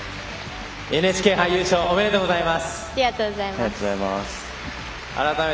ＮＨＫ杯優勝おめでとうございます。